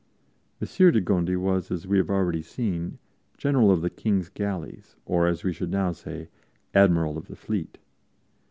M. de Gondi was, as we have already seen, General of the King's Galleys, or, as we should now say, Admiral of the Fleet.